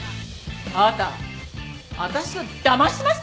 あなた私をだましましたね？